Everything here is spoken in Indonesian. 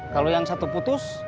kalau yang satu putus